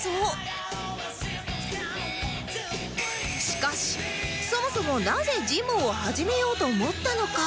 しかしそもそもなぜジムを始めようと思ったのか？